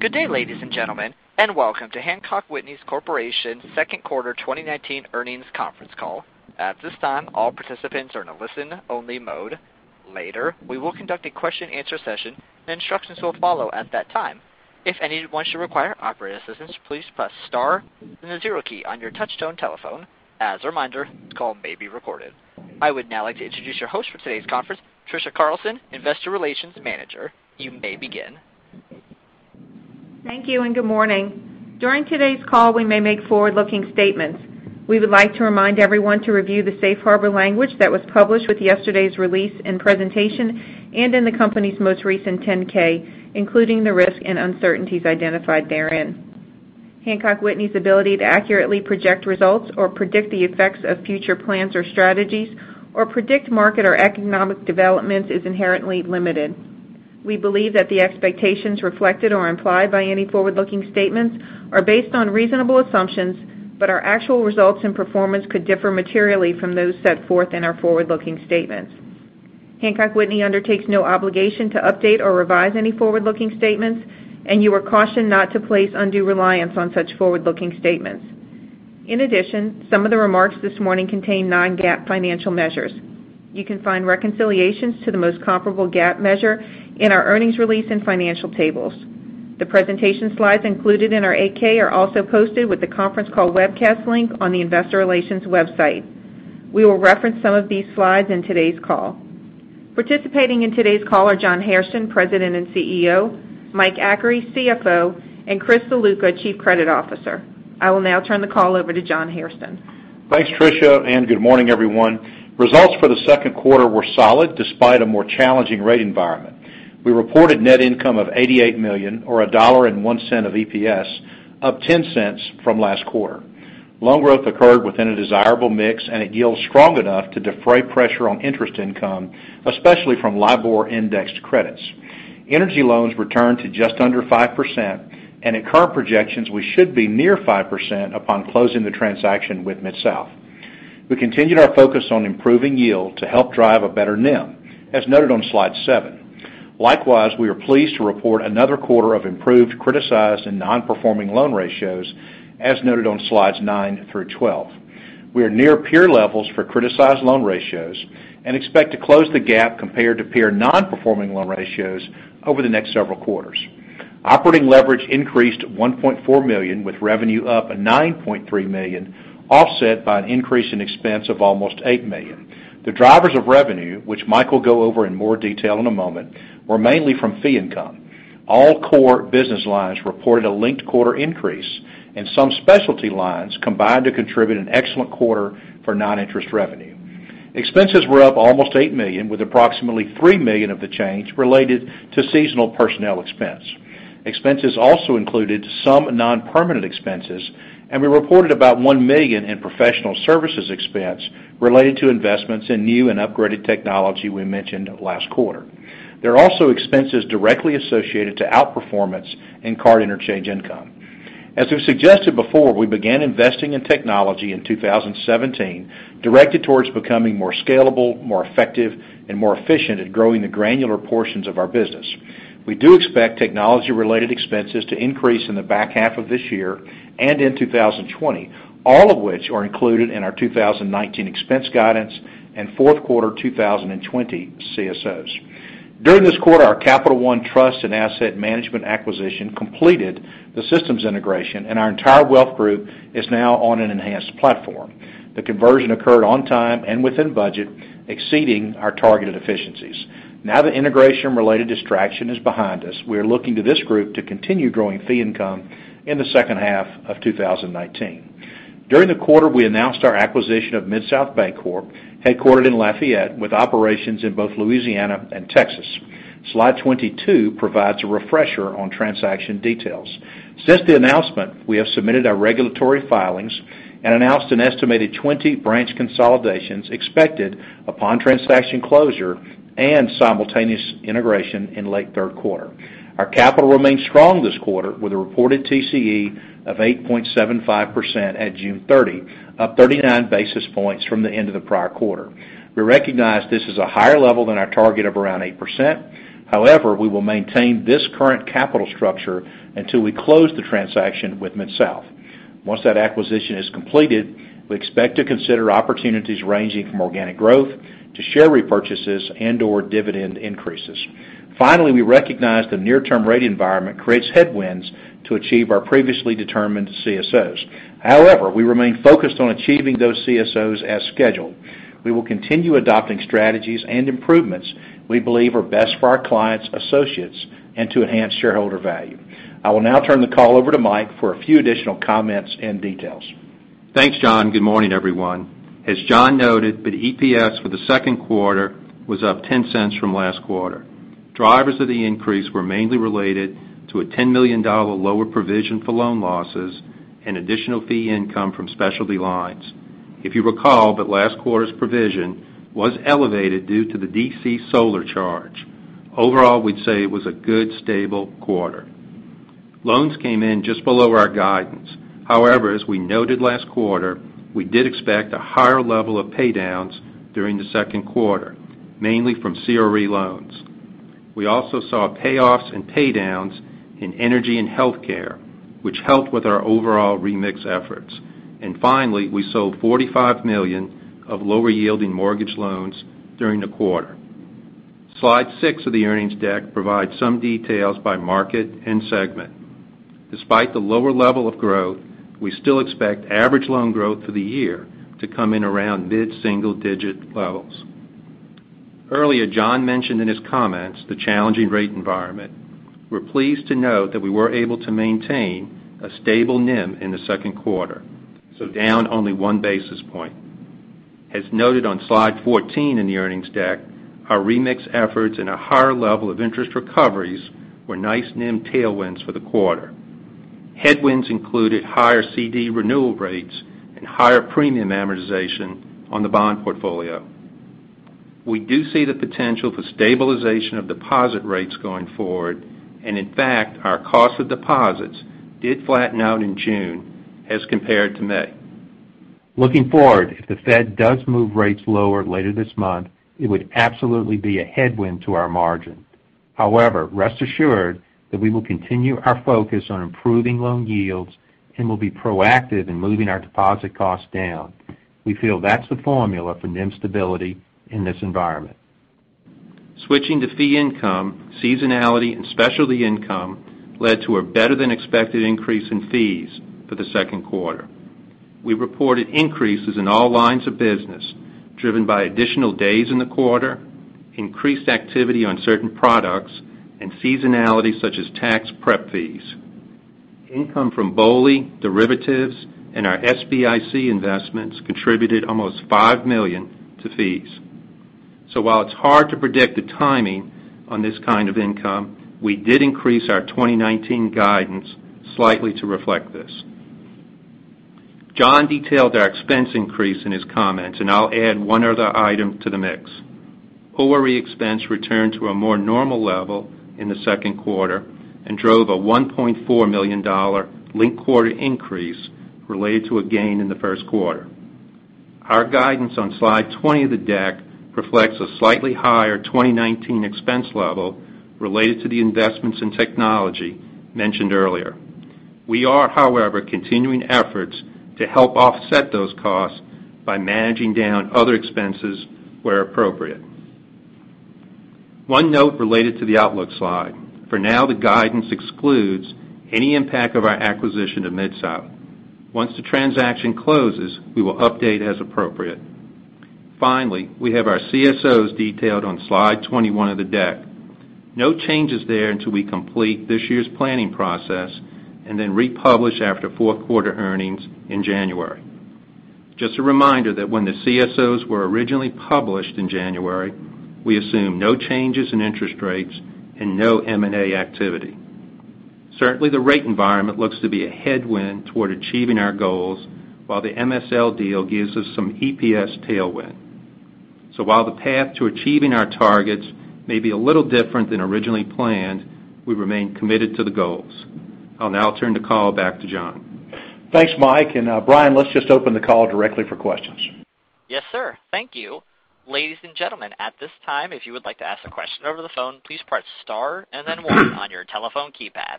Good day, ladies and gentlemen, and welcome to Hancock Whitney Corporation second quarter 2019 earnings conference call. At this time, all participants are in a listen-only mode. Later, we will conduct a question and answer session, and instructions will follow at that time. If anyone should require operator assistance, please press star, then the zero key on your touchtone telephone. As a reminder, this call may be recorded. I would now like to introduce your host for today's conference, Trisha Carlson, Investor Relations Manager. You may begin. Thank you. Good morning. During today's call, we may make forward-looking statements. We would like to remind everyone to review the safe harbor language that was published with yesterday's release and presentation, and in the company's most recent 10-K, including the risks and uncertainties identified therein. Hancock Whitney's ability to accurately project results or predict the effects of future plans or strategies or predict market or economic developments is inherently limited. We believe that the expectations reflected or implied by any forward-looking statements are based on reasonable assumptions, but our actual results and performance could differ materially from those set forth in our forward-looking statements. Hancock Whitney undertakes no obligation to update or revise any forward-looking statements, and you are cautioned not to place undue reliance on such forward-looking statements. In addition, some of the remarks this morning contain non-GAAP financial measures. You can find reconciliations to the most comparable GAAP measure in our earnings release and financial tables. The presentation slides included in our 8-K are also posted with the conference call webcast link on the investor relations website. We will reference some of these slides in today's call. Participating in today's call are John Hairston, President and CEO, Mike Achary, CFO, and Chris Ziluca, Chief Credit Officer. I will now turn the call over to John Hairston. Thanks, Trisha. Good morning, everyone. Results for the second quarter were solid despite a more challenging rate environment. We reported net income of $88 million, or $1.01 of EPS, up $0.10 from last quarter. Loan growth occurred within a desirable mix and at yields strong enough to defray pressure on interest income, especially from LIBOR-indexed credits. Energy loans returned to just under 5%, and at current projections, we should be near 5% upon closing the transaction with MidSouth. We continued our focus on improving yield to help drive a better NIM, as noted on slide seven. Likewise, we are pleased to report another quarter of improved criticized and non-performing loan ratios, as noted on slides nine through twelve. We are near peer levels for criticized loan ratios and expect to close the gap compared to peer non-performing loan ratios over the next several quarters. Operating leverage increased to $1.4 million, with revenue up $9.3 million, offset by an increase in expense of almost $8 million. The drivers of revenue, which Mike will go over in more detail in a moment, were mainly from fee income. All core business lines reported a linked-quarter increase, and some specialty lines combined to contribute an excellent quarter for non-interest revenue. Expenses were up almost $8 million, with approximately $3 million of the change related to seasonal personnel expense. Expenses also included some non-permanent expenses, and we reported about $1 million in professional services expense related to investments in new and upgraded technology we mentioned last quarter. There are also expenses directly associated to outperformance in card interchange income. As we've suggested before, we began investing in technology in 2017 directed towards becoming more scalable, more effective, and more efficient at growing the granular portions of our business. We do expect technology-related expenses to increase in the back half of this year and in 2020, all of which are included in our 2019 expense guidance and fourth quarter 2020 CSOs. During this quarter, our Capital One trust and asset management acquisition completed the systems integration, and our entire wealth group is now on an enhanced platform. The conversion occurred on time and within budget, exceeding our targeted efficiencies. Now that integration-related distraction is behind us, we are looking to this group to continue growing fee income in the second half of 2019. During the quarter, we announced our acquisition of MidSouth Bancorp, headquartered in Lafayette, with operations in both Louisiana and Texas. Slide 22 provides a refresher on transaction details. Since the announcement, we have submitted our regulatory filings and announced an estimated 20 branch consolidations expected upon transaction closure and simultaneous integration in late third quarter. Our capital remains strong this quarter with a reported TCE of 8.75% at June 30, up 39 basis points from the end of the prior quarter. We recognize this is a higher level than our target of around 8%. We will maintain this current capital structure until we close the transaction with MidSouth. Once that acquisition is completed, we expect to consider opportunities ranging from organic growth to share repurchases and/or dividend increases. We recognize the near-term rate environment creates headwinds to achieve our previously determined CSOs. We remain focused on achieving those CSOs as scheduled. We will continue adopting strategies and improvements we believe are best for our clients, associates, and to enhance shareholder value. I will now turn the call over to Mike for a few additional comments and details. Thanks, John. Good morning, everyone. As John noted, the EPS for the second quarter was up $0.10 from last quarter. Drivers of the increase were mainly related to a $10 million lower provision for loan losses and additional fee income from specialty lines. If you recall that last quarter's provision was elevated due to the DC Solar charge. Overall, we'd say it was a good, stable quarter. Loans came in just below our guidance. As we noted last quarter, we did expect a higher level of pay downs during the second quarter, mainly from CRE loans. We also saw payoffs and pay downs in energy and healthcare, which helped with our overall remix efforts. Finally, we sold $45 million of lower-yielding mortgage loans during the quarter. Slide six of the earnings deck provides some details by market and segment. Despite the lower level of growth, we still expect average loan growth for the year to come in around mid-single digit levels. Earlier, John mentioned in his comments the challenging rate environment. We're pleased to note that we were able to maintain a stable NIM in the second quarter, down only one basis point. As noted on slide 14 in the earnings deck, our remix efforts and a higher level of interest recoveries were nice NIM tailwinds for the quarter. Headwinds included higher CD renewal rates and higher premium amortization on the bond portfolio. We do see the potential for stabilization of deposit rates going forward. In fact, our cost of deposits did flatten out in June as compared to May. Looking forward, if the Fed does move rates lower later this month, it would absolutely be a headwind to our margin. Rest assured that we will continue our focus on improving loan yields and will be proactive in moving our deposit costs down. We feel that's the formula for NIM stability in this environment. Switching to fee income, seasonality and specialty income led to a better-than-expected increase in fees for the second quarter. We reported increases in all lines of business, driven by additional days in the quarter, increased activity on certain products, and seasonality such as tax prep fees. Income from BOLI, derivatives, and our SBIC investments contributed almost $5 million to fees. While it's hard to predict the timing on this kind of income, we did increase our 2019 guidance slightly to reflect this. John detailed our expense increase in his comments, and I'll add one other item to the mix. ORE expense returned to a more normal level in the second quarter and drove a $1.4 million linked-quarter increase related to a gain in the first quarter. Our guidance on slide 20 of the deck reflects a slightly higher 2019 expense level related to the investments in technology mentioned earlier. We are, however, continuing efforts to help offset those costs by managing down other expenses where appropriate. One note related to the outlook slide. For now, the guidance excludes any impact of our acquisition of MidSouth. Once the transaction closes, we will update as appropriate. We have our CSOs detailed on slide 21 of the deck. No changes there until we complete this year's planning process and then republish after fourth quarter earnings in January. Just a reminder that when the CSOs were originally published in January, we assumed no changes in interest rates and no M&A activity. Certainly, the rate environment looks to be a headwind toward achieving our goals, while the MSL deal gives us some EPS tailwind. While the path to achieving our targets may be a little different than originally planned, we remain committed to the goals. I'll now turn the call back to John. Thanks, Mike, and Brian, let's just open the call directly for questions. Yes, sir. Thank you. Ladies and gentlemen, at this time, if you would like to ask a question over the phone, please press star and then one on your telephone keypad.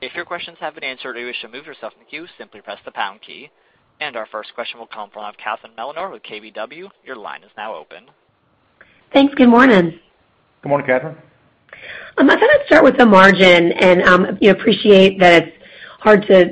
If your questions have been answered or you wish to move yourself in the queue, simply press the pound key. Our first question will come from Catherine Mealor with KBW. Your line is now open. Thanks. Good morning. Good morning, Catherine. I'm going to start with the margin and appreciate that it's hard to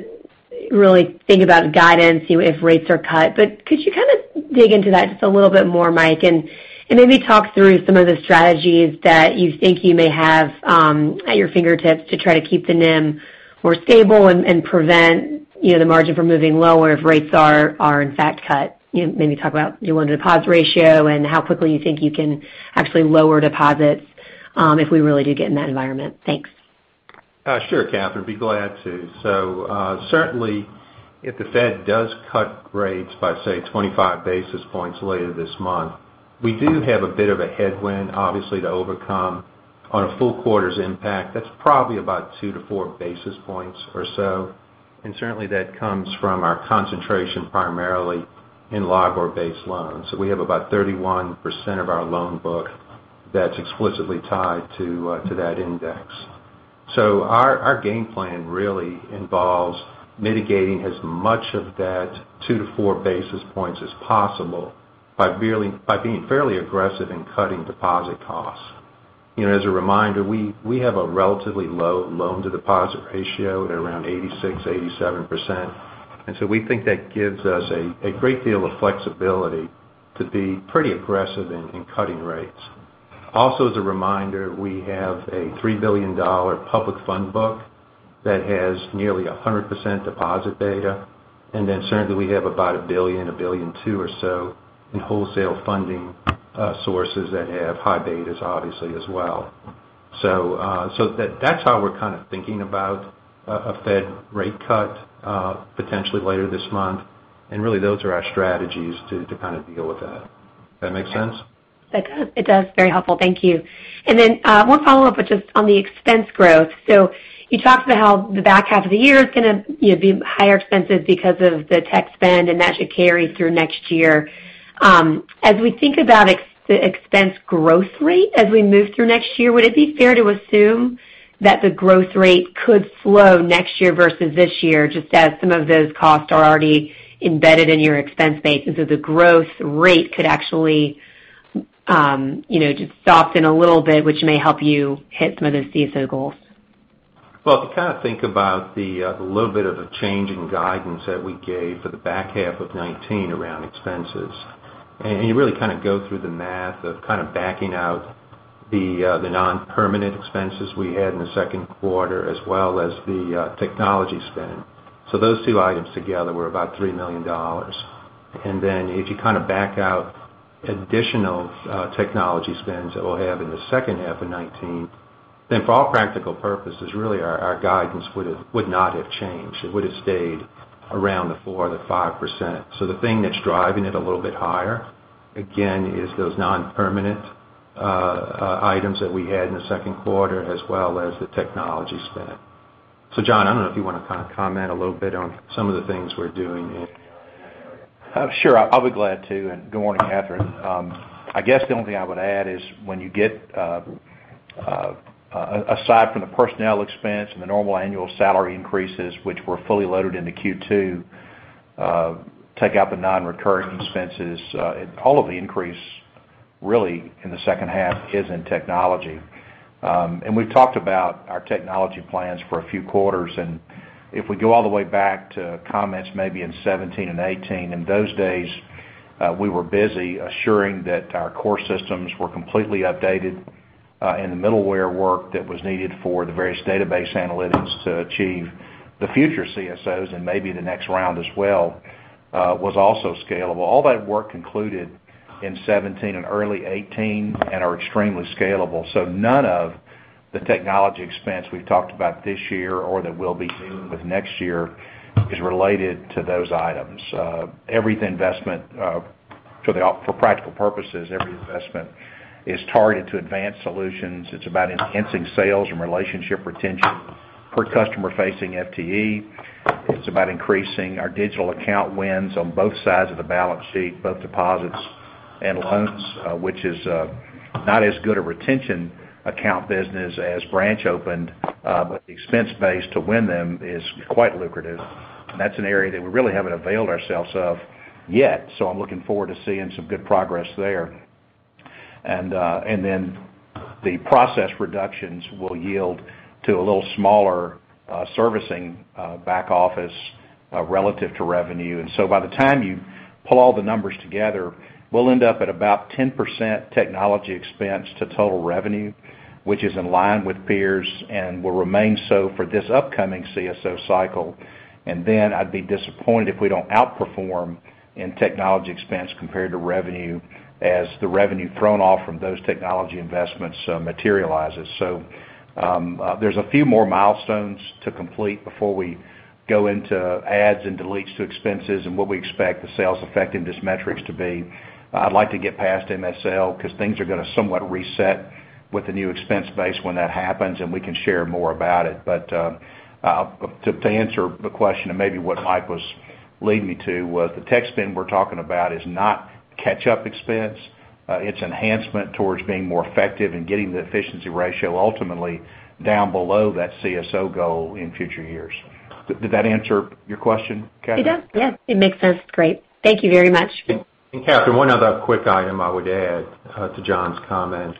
really think about guidance if rates are cut. Could you kind of dig into that just a little bit more, Mike, and maybe talk through some of the strategies that you think you may have at your fingertips to try to keep the NIM more stable and prevent the margin from moving lower if rates are in fact cut? Maybe talk about your loan-to-deposit ratio and how quickly you think you can actually lower deposits if we really do get in that environment. Thanks. Sure, Catherine. Be glad to. Certainly, if the Fed does cut rates by, say, 25 basis points later this month, we do have a bit of a headwind, obviously, to overcome. On a full quarter's impact, that's probably about 2-4 basis points or so. Certainly, that comes from our concentration primarily in LIBOR-based loans. We have about 31% of our loan book that's explicitly tied to that index. Our game plan really involves mitigating as much of that 2-4 basis points as possible by being fairly aggressive in cutting deposit costs. As a reminder, we have a relatively low loan-to-deposit ratio at around 86%-87%. We think that gives us a great deal of flexibility to be pretty aggressive in cutting rates. Also, as a reminder, we have a $3 billion public fund book that has nearly 100% deposit beta. Certainly we have about $1 billion, $1.2 billion or so in wholesale funding sources that have high betas, obviously, as well. That's how we're kind of thinking about a Fed rate cut potentially later this month. Really, those are our strategies to kind of deal with that. That make sense? That does. It does. Very helpful. Thank you. One follow-up, just on the expense growth. You talked about how the back half of the year is going to be higher expenses because of the tech spend, and that should carry through next year. As we think about the expense growth rate as we move through next year, would it be fair to assume that the growth rate could slow next year versus this year, just as some of those costs are already embedded in your expense base, so the growth rate could actually just soften a little bit, which may help you hit some of those CSO goals? If you think about the little bit of a change in guidance that we gave for the back half of 2019 around expenses, you really go through the math of backing out the non-permanent expenses we had in the second quarter as well as the technology spend. Those two items together were about $3 million. Then if you back out additional technology spends that we'll have in the second half of 2019, then for all practical purposes, really, our guidance would not have changed. It would have stayed around the 4%-5%. The thing that's driving it a little bit higher, again, is those non-permanent items that we had in the second quarter as well as the technology spend. John, I don't know if you want to comment a little bit on some of the things we're doing in that area. Sure. I'll be glad to. Good morning, Catherine. I guess the only thing I would add is when you get, aside from the personnel expense and the normal annual salary increases, which were fully loaded into Q2, take out the non-recurring expenses, all of the increase really in the second half is in technology. We've talked about our technology plans for a few quarters. If we go all the way back to comments maybe in 2017 and 2018, in those days, we were busy assuring that our core systems were completely updated, the middleware work that was needed for the various database analytics to achieve the future CSOs and maybe the next round as well was also scalable. All that work concluded in 2017 and early 2018 and are extremely scalable. None of the technology expense we've talked about this year or that we'll be doing with next year is related to those items. For practical purposes, every investment is targeted to advance solutions. It's about enhancing sales and relationship retention per customer-facing FTE. It's about increasing our digital account wins on both sides of the balance sheet, both deposits and loans which is not as good a retention account business as branch opened. The expense base to win them is quite lucrative. That's an area that we really haven't availed ourselves of yet. I'm looking forward to seeing some good progress there. The process reductions will yield to a little smaller servicing back office relative to revenue. By the time you pull all the numbers together, we'll end up at about 10% technology expense to total revenue, which is in line with peers and will remain so for this upcoming CSO cycle. I'd be disappointed if we don't outperform in technology expense compared to revenue as the revenue thrown off from those technology investments materializes. There's a few more milestones to complete before we go into adds and deletes to expenses and what we expect the sales effectiveness metrics to be. I'd like to get past MSL because things are going to somewhat reset with the new expense base when that happens, and we can share more about it. To answer the question, maybe what Mike was leading me to was the tech spend we're talking about is not catch-up expense. It's enhancement towards being more effective and getting the efficiency ratio ultimately down below that CSO goal in future years. Did that answer your question, Catherine? It does. Yeah. It makes sense. Great. Thank you very much. Catherine, one other quick item I would add to John's comments.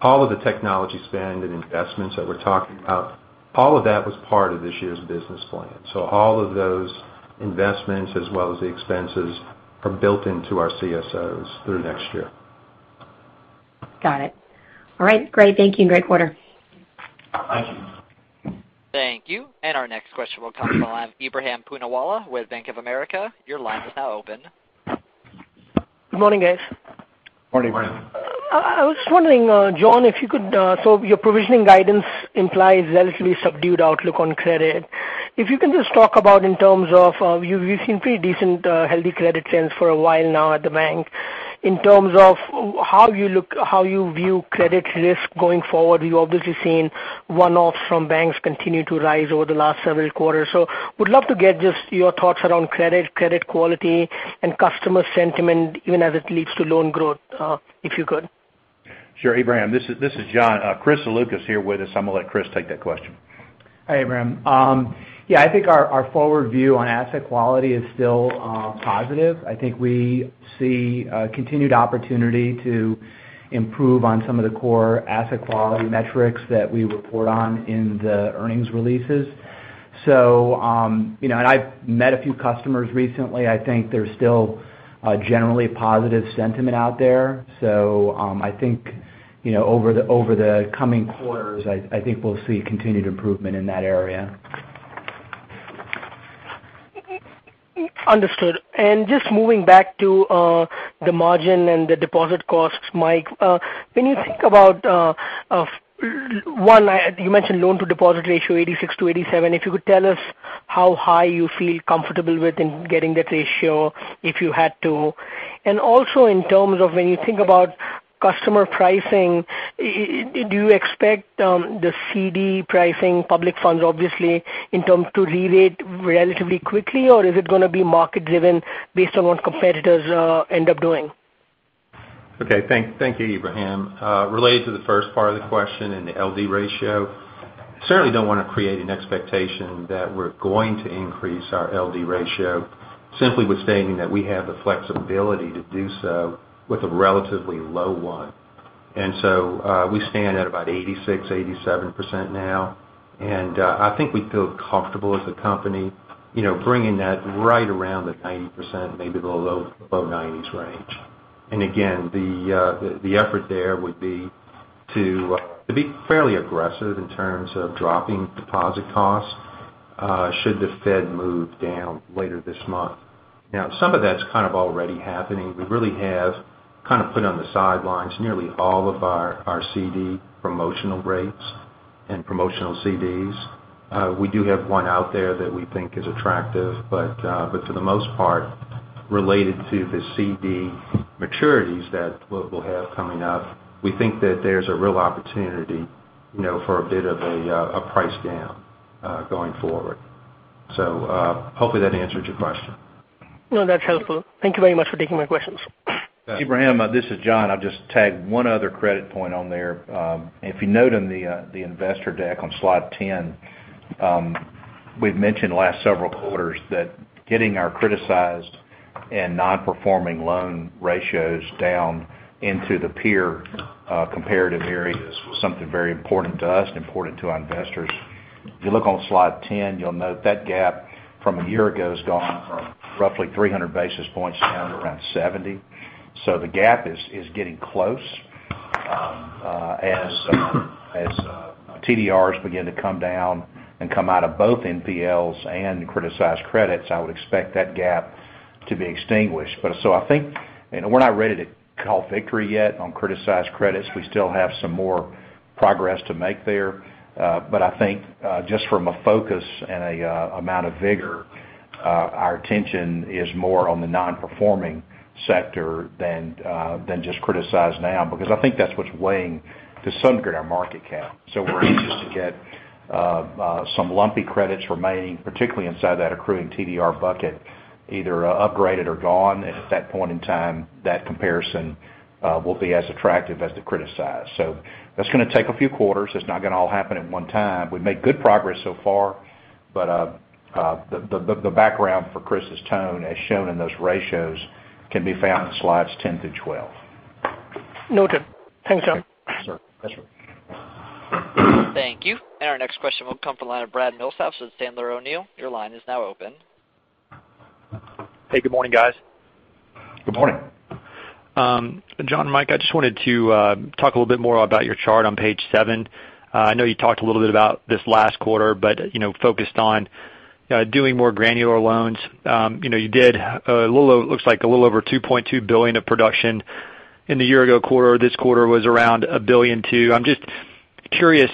All of the technology spend and investments that we're talking about, all of that was part of this year's business plan. All of those investments as well as the expenses are built into our CSOs through next year. Got it. All right, great. Thank you, and great quarter. Thank you. Thank you. Our next question will come from Ebrahim Poonawala with Bank of America. Your line is now open. Good morning, guys. Morning. Morning. I was just wondering, John, if you could, your provisioning guidance implies a relatively subdued outlook on credit. If you can just talk about in terms of, you've seen pretty decent healthy credit trends for a while now at the bank. In terms of how you view credit risk going forward, you've obviously seen one-offs from banks continue to rise over the last several quarters. Would love to get just your thoughts around credit quality, and customer sentiment, even as it leads to loan growth, if you could. Sure, Ebrahim. This is John. Chris Ziluca is here with us. I'm going to let Chris take that question. Hi, Ebrahim. Yeah, I think our forward view on asset quality is still positive. I think we see a continued opportunity to improve on some of the core asset quality metrics that we report on in the earnings releases. I've met a few customers recently. I think there's still a generally positive sentiment out there. I think over the coming quarters, I think we'll see continued improvement in that area. Understood. Just moving back to the margin and the deposit costs, Mike. When you think about, one, you mentioned loan to deposit ratio 86%-87%. If you could tell us how high you feel comfortable with in getting that ratio if you had to. Also, in terms of when you think about customer pricing, do you expect the CD pricing, public funds, obviously, in terms to re-rate relatively quickly, or is it going to be market driven based on what competitors end up doing? Okay. Thank you, Ebrahim. Related to the first part of the question in the LD ratio, certainly don't want to create an expectation that we're going to increase our LD ratio. Simply was stating that we have the flexibility to do so with a relatively low one. We stand at about 86%, 87% now, and I think we feel comfortable as a company bringing that right around the 90%, maybe the low 90s range. Again, the effort there would be to be fairly aggressive in terms of dropping deposit costs should the Fed move down later this month. Some of that's kind of already happening. We really have put on the sidelines nearly all of our CD promotional rates and promotional CDs. We do have one out there that we think is attractive, but for the most part, related to the CD maturities that we'll have coming up, we think that there's a real opportunity for a bit of a price down going forward. Hopefully that answered your question. No, that's helpful. Thank you very much for taking my questions. Yeah. Ebrahim, this is John. I'll just tag one other credit point on there. If you note on the investor deck on slide 10, we've mentioned the last several quarters that getting our criticized and non-performing loan ratios down into the peer comparative areas was something very important to us and important to our investors. If you look on slide 10, you'll note that gap from a year ago has gone from roughly 300 basis points down to around 70. The gap is getting close. As TDRs begin to come down and come out of both NPLs and criticized credits, I would expect that gap to be extinguished. I think we're not ready to call victory yet on criticized credits. We still have some more progress to make there. I think, just from a focus and amount of vigor, our attention is more on the non-performing sector than just criticized now, because I think that's what's weighing to some degree our market cap. We're anxious to get some lumpy credits remaining, particularly inside that accruing TDR bucket, either upgraded or gone. At that point in time, that comparison will be as attractive as the criticized. That's going to take a few quarters. It's not going to all happen at one time. We've made good progress so far, but the background for Chris' tone, as shown in those ratios, can be found in slides 10 through 12. Noted. Thanks, John. Yes, sir. Thank you. Our next question will come from the line of Brad Milsaps with Sandler O'Neill. Your line is now open. Hey, good morning, guys. Good morning. John and Mike, I just wanted to talk a little bit more about your chart on page seven. I know you talked a little bit about this last quarter, but focused on doing more granular loans. You did looks like a little over $2.2 billion of production in the year ago quarter. This quarter was around $1.2 billion. I'm just curious,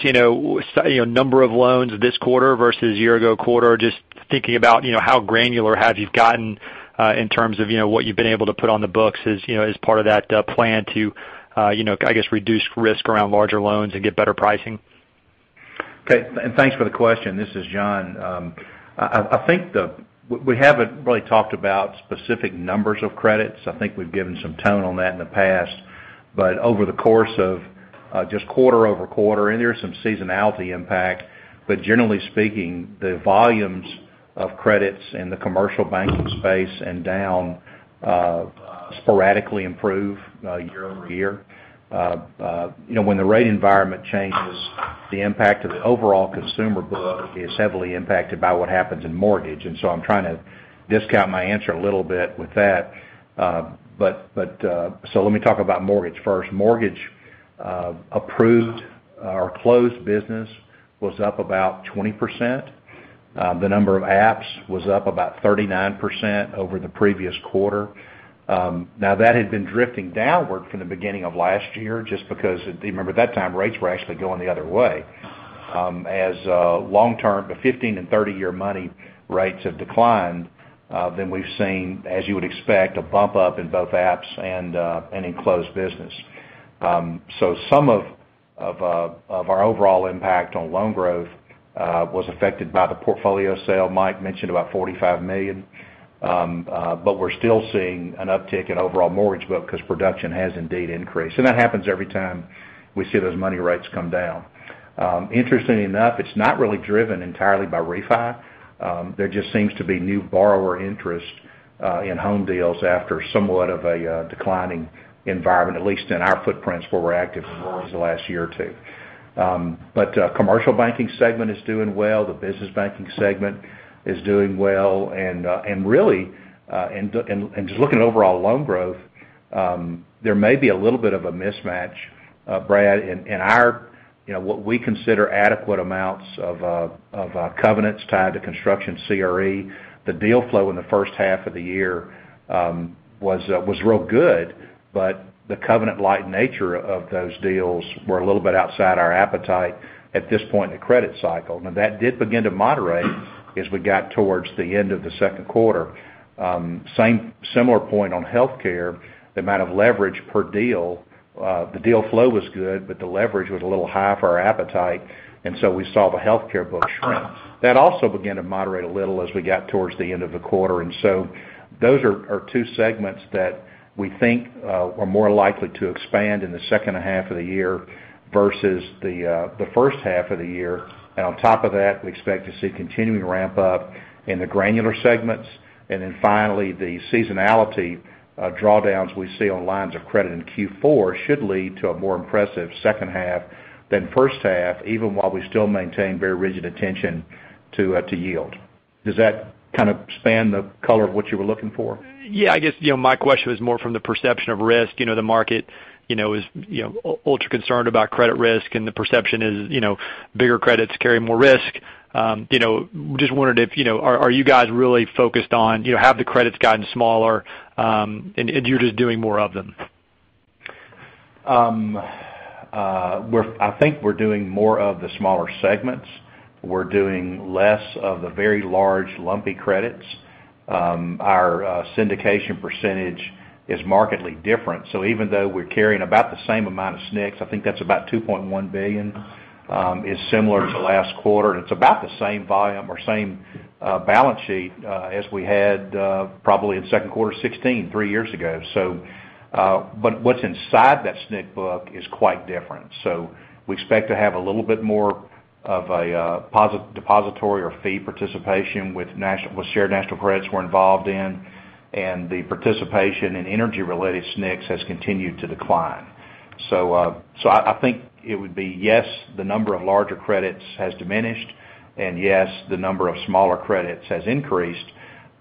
number of loans this quarter versus year ago quarter, just thinking about how granular have you gotten in terms of what you've been able to put on the books as part of that plan to, I guess, reduce risk around larger loans and get better pricing. Okay. Thanks for the question. This is John. We haven't really talked about specific numbers of credits. I think we've given some tone on that in the past. Over the course of just quarter-over-quarter, and there's some seasonality impact, but generally speaking, the volumes of credits in the commercial banking space and down sporadically improve year-over-year. When the rate environment changes, the impact of the overall consumer book is heavily impacted by what happens in mortgage. I'm trying to discount my answer a little bit with that. Let me talk about mortgage first. Mortgage approved or closed business was up about 20%. The number of apps was up about 39% over the previous quarter. That had been drifting downward from the beginning of last year, just because, remember at that time, rates were actually going the other way. As long-term to 15- and 30-year money rates have declined, then we've seen, as you would expect, a bump up in both apps and in closed business. Some of our overall impact on loan growth was affected by the portfolio sale Mike mentioned, about $45 million. We're still seeing an uptick in overall mortgage book because production has indeed increased. That happens every time we see those money rates come down. Interestingly enough, it's not really driven entirely by refi. There just seems to be new borrower interest in home deals after somewhat of a declining environment, at least in our footprints where we're active for at least the last year or two. Commercial banking segment is doing well. The business banking segment is doing well. Really, in just looking at overall loan growth, there may be a little bit of a mismatch, Brad Milsaps, in what we consider adequate amounts of, covenants tied to construction CRE. The deal flow in the first half of the year was real good, but the covenant-light nature of those deals were a little bit outside our appetite at this point in the credit cycle. That did begin to moderate as we got towards the end of the second quarter. Similar point on healthcare, the amount of leverage per deal, the deal flow was good, but the leverage was a little high for our appetite, so we saw the healthcare book shrink. That also began to moderate a little as we got towards the end of the quarter. Those are two segments that we think are more likely to expand in the second half of the year versus the first half of the year. On top of that, we expect to see continuing ramp up in the granular segments. Finally, the seasonality drawdowns we see on lines of credit in Q4 should lead to a more impressive second half than first half, even while we still maintain very rigid attention to yield. Does that kind of span the color of what you were looking for? Yeah, I guess, my question was more from the perception of risk. The market is ultra concerned about credit risk, and the perception is bigger credits carry more risk. Just wondered, are you guys really focused on, have the credits gotten smaller, and you're just doing more of them? I think we're doing more of the smaller segments. We're doing less of the very large, lumpy credits. Our syndication percentage is markedly different. Even though we're carrying about the same amount of SNCs, I think that's about $2.1 billion, is similar to last quarter. It's about the same volume or same balance sheet, as we had, probably in second quarter 2016, three years ago. What's inside that SNC book is quite different. We expect to have a little bit more of a depository or fee participation with Shared National Credits we're involved in, and the participation in energy-related SNCs has continued to decline. I think it would be, yes, the number of larger credits has diminished, and yes, the number of smaller credits has increased.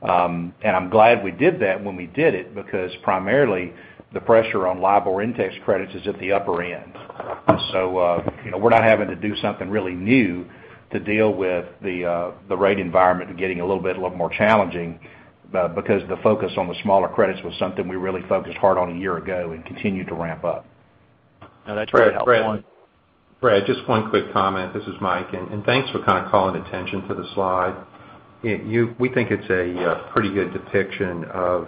I'm glad we did that when we did it because primarily the pressure on LIBOR index credits is at the upper end. We're not having to do something really new to deal with the rate environment getting a little bit more challenging, because the focus on the smaller credits was something we really focused hard on a year ago and continued to ramp up. No, that's very helpful. Brad, just one quick comment. This is Mike. Thanks for kind of calling attention to the slide. We think it's a pretty good depiction of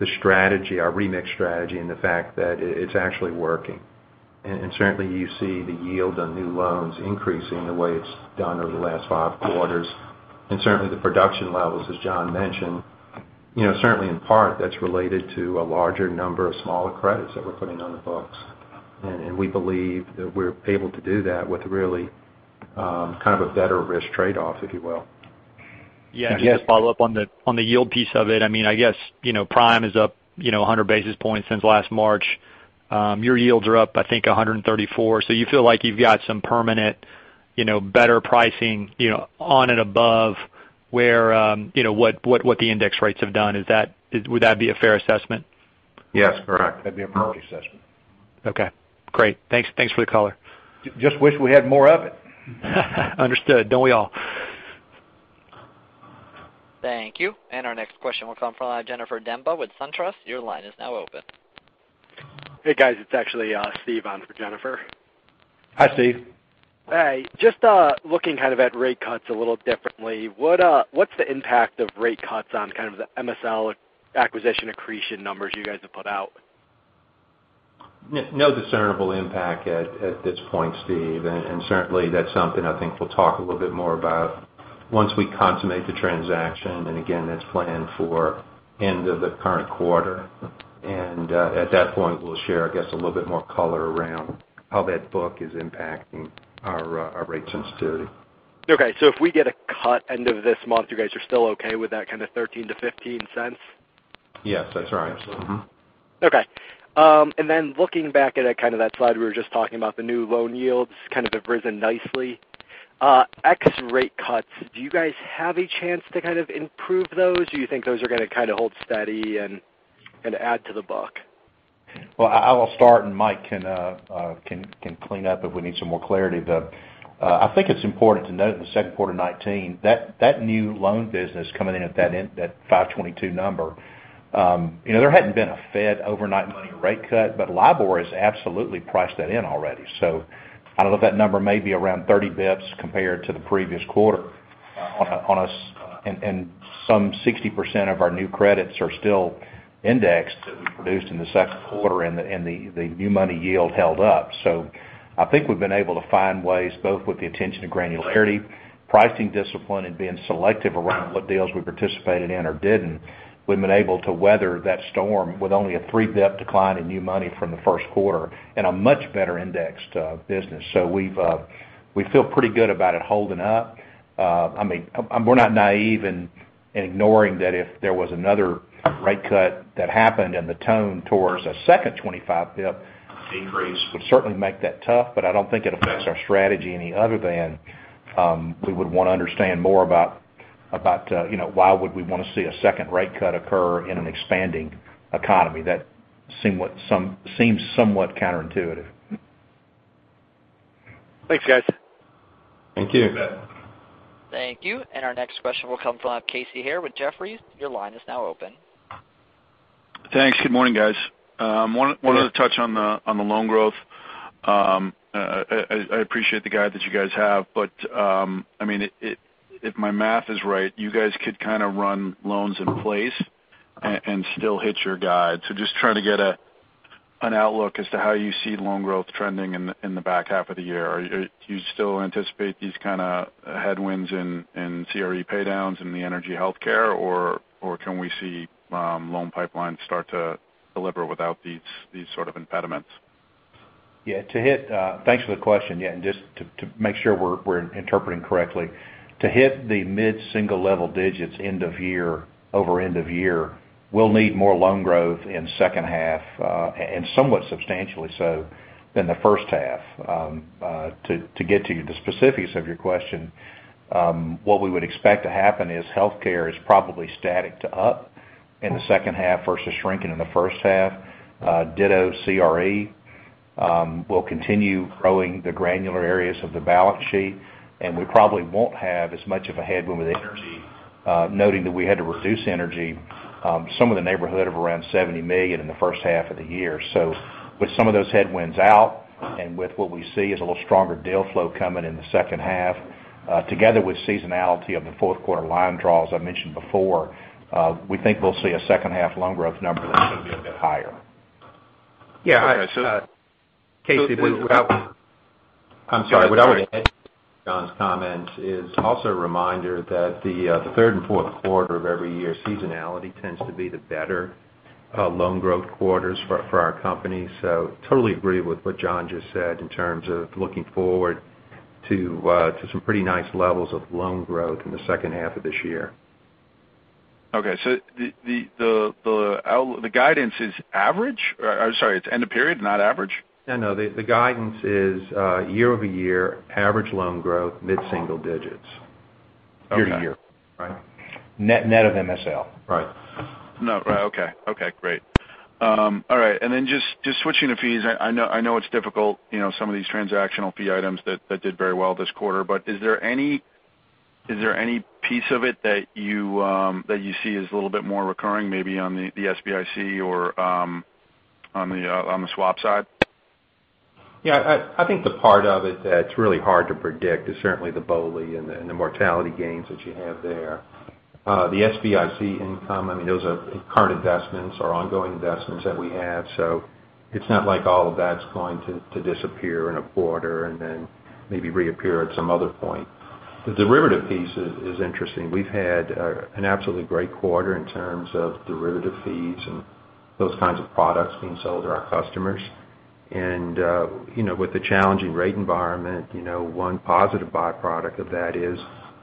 the strategy, our remix strategy, and the fact that it's actually working. Certainly, you see the yield on new loans increasing the way it's done over the last 5 quarters. Certainly, the production levels, as John mentioned. Certainly, in part, that's related to a larger number of smaller credits that we're putting on the books. We believe that we're able to do that with really, kind of a better risk trade-off, if you will. Yeah. Just to follow up on the yield piece of it, I guess, Prime is up 100 basis points since last March. Your yields are up, I think, 134. You feel like you've got some permanent, better pricing, on and above what the index rates have done. Would that be a fair assessment? Yes. Correct. That'd be a fair assessment. Okay, great. Thanks for the color. Just wish we had more of it. Understood. Don't we all. Thank you. Our next question will come from Jennifer Demba with SunTrust. Your line is now open. Hey, guys. It's actually Steve on for Jennifer. Hi, Steve. Hi. Just looking kind of at rate cuts a little differently. What's the impact of rate cuts on kind of the MSL acquisition accretion numbers you guys have put out? No discernible impact at this point, Steve. Certainly, that's something I think we'll talk a little bit more about once we consummate the transaction. Again, that's planned for end of the current quarter. At that point, we'll share, I guess, a little bit more color around how that book is impacting our rate sensitivity. Okay. If we get a cut end of this month, you guys are still okay with that kind of $0.13-$0.15? Yes, that's right. Mm-hmm. Okay. Looking back at kind of that slide we were just talking about, the new loan yields kind of have risen nicely. X rate cuts, do you guys have a chance to kind of improve those, or you think those are going to kind of hold steady and add to the book? Well, I will start, Mike can clean up if we need some more clarity. I think it's important to note in the second quarter 2019, that new loan business coming in at that 5.22 number, there hadn't been a Fed overnight money rate cut, LIBOR has absolutely priced that in already. I don't know if that number may be around 30 basis points compared to the previous quarter on us, 60% of our new credits are still indexed that we produced in the second quarter, and the new money yield held up. I think we've been able to find ways, both with the attention to granularity, pricing discipline, and being selective around what deals we participated in or didn't. We've been able to weather that storm with only a three basis points decline in new money from the first quarter and a much better indexed business. We feel pretty good about it holding up. We're not naïve and ignoring that if there was another rate cut that happened and the tone towards a second 25 basis points increase would certainly make that tough, I don't think it affects our strategy any other than, we would want to understand more about why would we want to see a second rate cut occur in an expanding economy. That seem somewhat counterintuitive. Thanks, guys. Thank you. You bet. Thank you. Our next question will come from Casey Haire with Jefferies. Your line is now open. Thanks. Good morning, guys. Hey. Wanted to touch on the loan growth. I appreciate the guide that you guys have, if my math is right, you guys could kind of run loans in place and still hit your guide. Just trying to get an outlook as to how you see loan growth trending in the back half of the year. Do you still anticipate these kind of headwinds in CRE pay-downs in the energy healthcare, or can we see loan pipelines start to deliver without these sort of impediments? Yeah. Thanks for the question. Just to make sure we're interpreting correctly. To hit the mid-single level digits over end of year, we'll need more loan growth in second half, somewhat substantially so, than the first half. To get to the specifics of your question, what we would expect to happen is healthcare is probably static to up in the second half versus shrinking in the first half. Ditto CRE. We'll continue growing the granular areas of the balance sheet, we probably won't have as much of a headwind with energy, noting that we had to reduce energy, somewhere in the neighborhood of around $70 million in the first half of the year. With some of those headwinds out and with what we see as a little stronger deal flow coming in the second half, together with seasonality of the fourth quarter line draws I mentioned before, we think we'll see a second half loan growth number that's going to be a bit higher. Yeah. Casey. I'm sorry. What I would add to John's comments is also a reminder that the third and fourth quarter of every year, seasonality tends to be the better loan growth quarters for our company. Totally agree with what John just said in terms of looking forward to some pretty nice levels of loan growth in the second half of this year. Okay. The guidance is average? Sorry, it's end of period, not average? No, the guidance is year-over-year average loan growth, mid-single digits. Okay. Year-to-year. Right. Net of MSL. Right. No. Right. Okay, great. All right. Just switching to fees, I know it's difficult, some of these transactional fee items that did very well this quarter. Is there any piece of it that you see as a little bit more recurring, maybe on the SBIC or on the swap side? Yeah, I think the part of it that's really hard to predict is certainly the BOLI and the mortality gains that you have there. The SBIC income, those are current investments or ongoing investments that we have. It's not like all of that's going to disappear in a quarter and then maybe reappear at some other point. The derivative piece is interesting. We've had an absolutely great quarter in terms of derivative fees and those kinds of products being sold to our customers. With the challenging rate environment, one positive byproduct of that is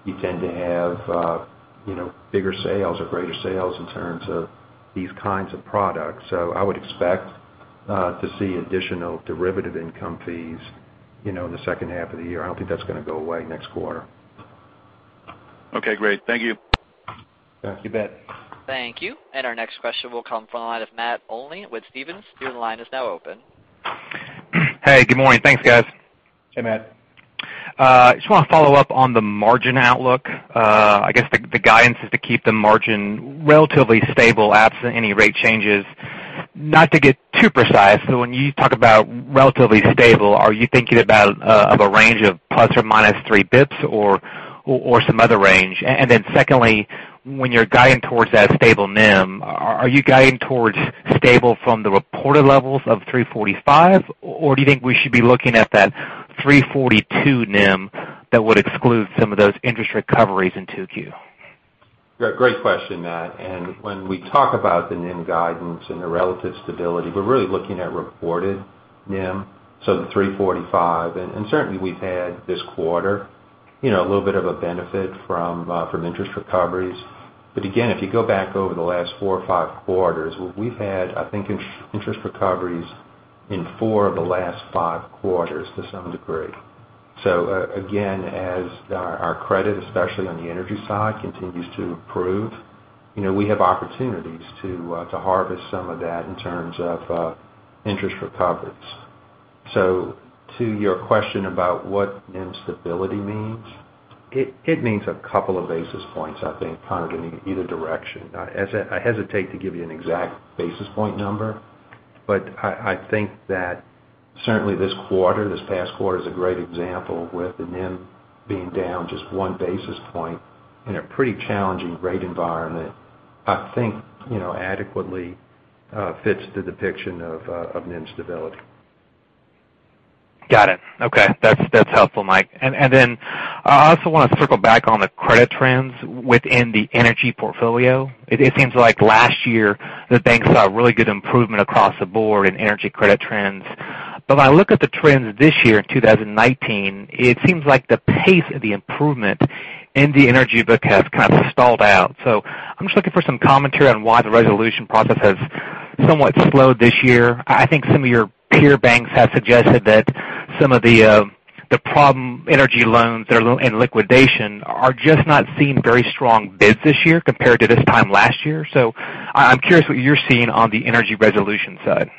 you tend to have bigger sales or greater sales in terms of these kinds of products. I would expect to see additional derivative income fees in the second half of the year. I don't think that's going to go away next quarter. Okay, great. Thank you. You bet. Thank you. Our next question will come from the line of Matt Olney with Stephens. Your line is now open. Hey, good morning. Thanks, guys. Hey, Matt. Just want to follow up on the margin outlook. I guess the guidance is to keep the margin relatively stable absent any rate changes. Not to get too precise, but when you talk about relatively stable, are you thinking about of a range of ±3 basis points or some other range? Secondly, when you're guiding towards that stable NIM, are you guiding towards stable from the reported levels of 345, or do you think we should be looking at that 342 NIM that would exclude some of those interest recoveries in 2Q? Great question, Matt. When we talk about the NIM guidance and the relative stability, we are really looking at reported NIM, so the 345. Certainly we have had this quarter a little bit of a benefit from interest recoveries. Again, if you go back over the last four or five quarters, we have had, I think, interest recoveries in four of the last five quarters to some degree. Again, as our credit, especially on the energy side, continues to improve, we have opportunities to harvest some of that in terms of interest recoveries. To your question about what NIM stability means, it means a couple of basis points, I think, kind of in either direction. I hesitate to give you an exact basis point number. I think that certainly this quarter, this past quarter, is a great example with the NIM being down just one basis point in a pretty challenging rate environment. I think adequately fits the depiction of NIM stability. Got it. Okay. That is helpful, Mike. I also want to circle back on the credit trends within the energy portfolio. It seems like last year the bank saw really good improvement across the board in energy credit trends. When I look at the trends this year in 2019, it seems like the pace of the improvement in the energy book has kind of stalled out. I am just looking for some commentary on why the resolution process has somewhat slowed this year. I think some of your peer banks have suggested that some of the problem energy loans that are in liquidation are just not seeing very strong bids this year compared to this time last year. I am curious what you are seeing on the energy resolution side.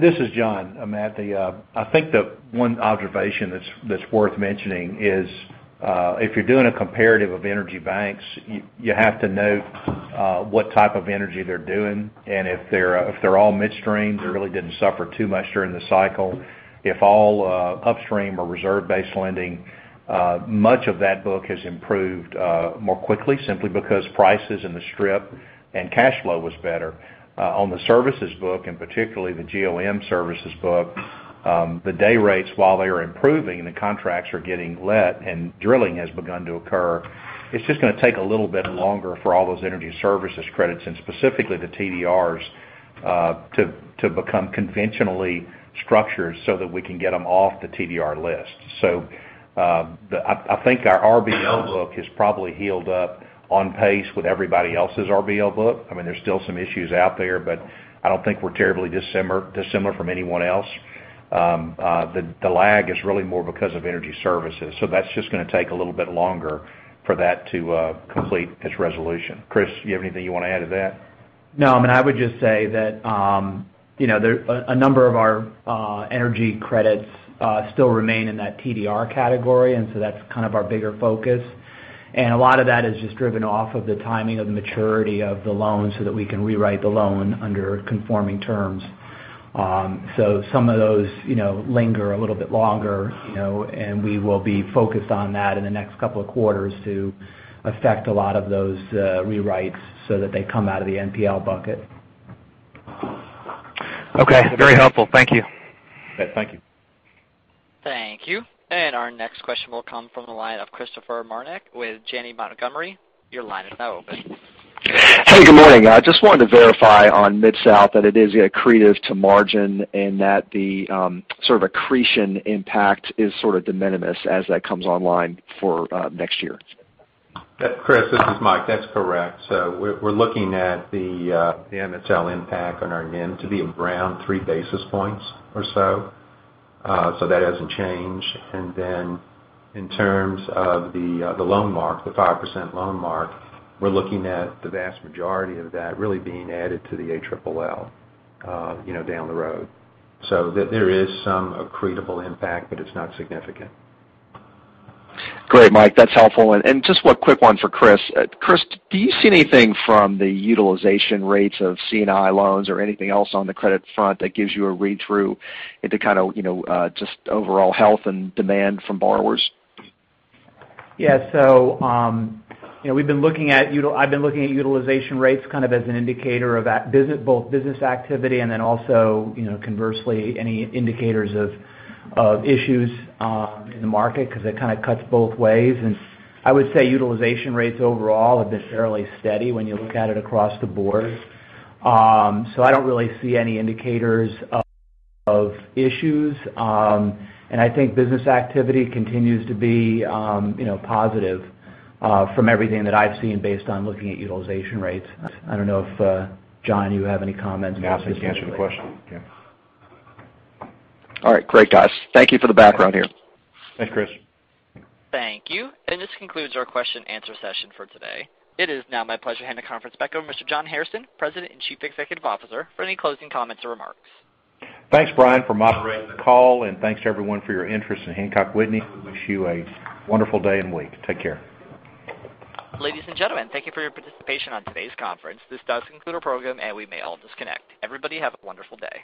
This is John. Matt, I think the one observation that is worth mentioning is, if you are doing a comparative of energy banks, you have to know what type of energy they are doing. If they are all midstream, they really did not suffer too much during the cycle. If all upstream or reserve-based lending, much of that book has improved more quickly simply because prices in the strip and cash flow was better. On the services book, and particularly the GOM services book, the day rates, while they are improving and the contracts are getting let and drilling has begun to occur, it is just going to take a little bit longer for all those energy services credits and specifically the TDRs, to become conventionally structured so that we can get them off the TDR list. I think our RBL book has probably healed up on pace with everybody else's RBL book. There's still some issues out there, but I don't think we're terribly dissimilar from anyone else. The lag is really more because of energy services. That's just going to take a little bit longer for that to complete its resolution. Chris, you have anything you want to add to that? No. I would just say that a number of our energy credits still remain in that TDR category, that's kind of our bigger focus. A lot of that is just driven off of the timing of the maturity of the loan so that we can rewrite the loan under conforming terms. Some of those linger a little bit longer, and we will be focused on that in the next couple of quarters to affect a lot of those rewrites so that they come out of the NPL bucket. Okay. Very helpful. Thank you. Thank you. Thank you. Our next question will come from the line of Christopher Marinac with Janney Montgomery. Your line is now open. Hey, good morning. I just wanted to verify on MidSouth that it is accretive to margin and that the sort of accretion impact is sort of de minimis as that comes online for next year. Chris, this is Mike. That's correct. We're looking at the MSL impact on our NIM to be around three basis points or so. That hasn't changed. Then in terms of the loan mark, the 5% loan mark, we're looking at the vast majority of that really being added to the ALLL down the road. There is some accretable impact, but it's not significant. Great, Mike. That's helpful. Just one quick one for Chris. Chris, do you see anything from the utilization rates of C&I loans or anything else on the credit front that gives you a read-through into kind of just overall health and demand from borrowers? Yeah. I've been looking at utilization rates kind of as an indicator of both business activity then also conversely, any indicators of issues in the market, because it kind of cuts both ways. I would say utilization rates overall have been fairly steady when you look at it across the board. I don't really see any indicators of issues. I think business activity continues to be positive from everything that I've seen based on looking at utilization rates. I don't know if, John, you have any comments. No, I think you answered the question. Yeah. All right. Great, guys. Thank you for the background here. Thanks, Chris. Thank you. This concludes our question and answer session for today. It is now my pleasure to hand the conference back over to Mr. John Hairston, President and Chief Executive Officer, for any closing comments or remarks. Thanks, Brian, for moderating the call, and thanks to everyone for your interest in Hancock Whitney. Wish you a wonderful day and week. Take care. Ladies and gentlemen, thank you for your participation on today's conference. This does conclude our program, and we may all disconnect. Everybody have a wonderful day.